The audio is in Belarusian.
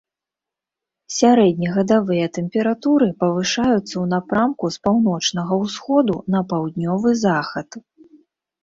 Сярэднегадавыя тэмпературы павышаюцца ў напрамку з паўночнага ўсходу на паўднёвы захад.